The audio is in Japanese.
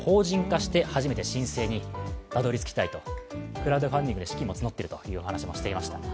クラウドファンディングで資金も募っているというお話をしていました。